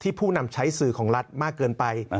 ผู้นำใช้สื่อของรัฐมากเกินไป